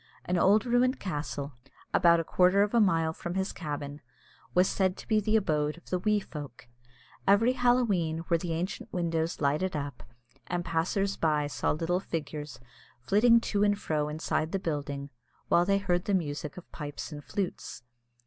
An old ruined castle, about a quarter of a mile from his cabin, was said to be the abode of the "wee folk." Every Halloween were the ancient windows lighted up, and passers by saw little figures flitting to and fro inside the building, while they heard the music of pipes and flutes.